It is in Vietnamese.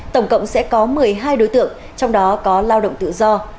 tổng cộng sẽ có một mươi hai đối tượng trong đó có lao động tự do